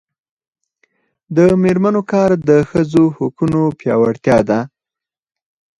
د میرمنو کار د ښځو حقونو پیاوړتیا ده.